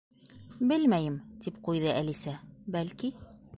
—Белмәйем, —тип ҡуйҙы Әлисә, —бәлки...